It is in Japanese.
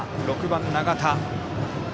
６番、長田。